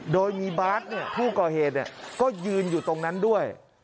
โดยมีบาสผู้ก่อเหตุก็ยืนอยู่ตรงนั้นด้วย